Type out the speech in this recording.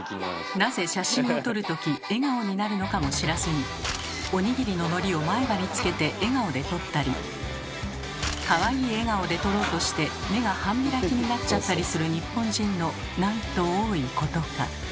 なぜ写真を撮るとき笑顔になるのかも知らずにお握りののりを前歯につけて笑顔で撮ったりかわいい笑顔で撮ろうとして目が半開きになっちゃったりする日本人のなんと多いことか。